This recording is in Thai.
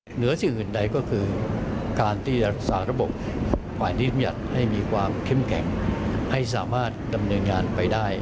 เหนือสิ่งอื่นใดก็คือการที่จะรักษาระบบฝ่ายนิติบัญญัติให้มีความเข้มแข็งให้สามารถดำเนินงานไปได้